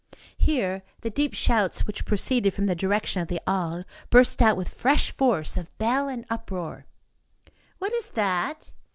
Here the deep shouts which proceeded from the direction of the Halles burst out with fresh force of bell and uproar. "What is that?"